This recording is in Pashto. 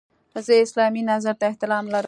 زه اسلامي نظرې ته احترام لرم.